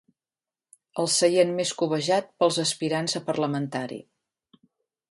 El seient més cobejat pels aspirants a parlamentari.